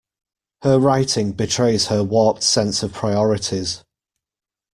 Her writing betrays her warped sense of priorities.